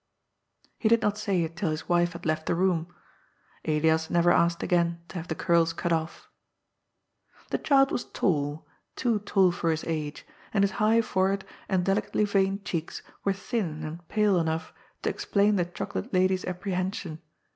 He did not say it till his wife had left the room. Elias never asked again to have the curls cut ofL The child was tall, too tall for his age, and his high forehead and delicately veined cheeks were thin and pale enough to explain the chocolate lady's apprehension.